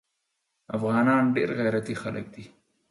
افغانان ډیر غیرتي خلک دي